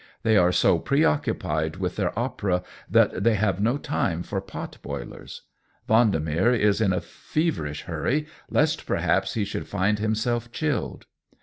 They are so preoccupied with their opera that they have no time for pot boilers. Vendemer is in a feverish hurry, lest perhaps he should find himself chilled.